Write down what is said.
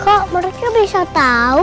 kok mereka bisa tau